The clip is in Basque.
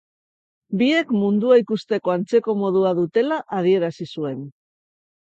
Biek mundua ikusteko antzeko modua dutela adierazi zuen